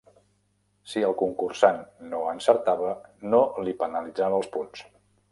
Si el concursant no encertava, no li penalitzava els punts.